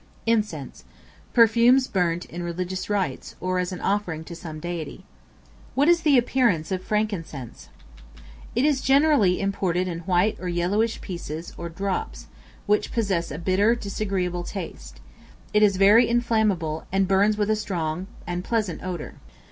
Incense, perfumes burnt in religious rites, or as an offering to some deity. What is the appearance of Frankincense? It is generally imported in white or yellowish pieces, or drops, which possess a bitter, disagreeable taste; it is very inflammable, and burns with a strong, and pleasant odor.